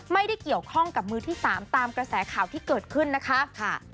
ไม่ได้เกี่ยวข้องกับมือที่๓ตามกระแสข่าวที่เกิดขึ้นนะคะ